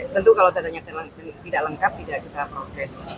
tentu kalau datanya tidak lengkap tidak kita proses